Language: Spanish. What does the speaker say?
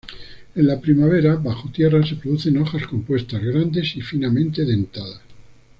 En la primavera, bajo tierra se producen hojas compuestas grandes y finamente dentadas.